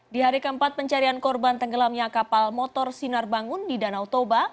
di hari keempat pencarian korban tenggelamnya kapal motor sinar bangun di danau toba